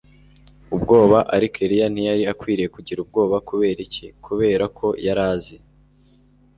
ubwoba ariko eliya ntiyari akwiriye kugira ubwoba kubera iki kubera ko yari azi